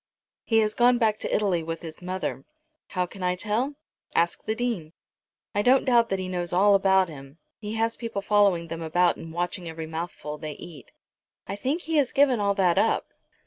"He has gone back to Italy with his mother. How can I tell? Ask the Dean. I don't doubt that he knows all about him. He has people following them about, and watching every mouthful they eat." "I think he has given all that up."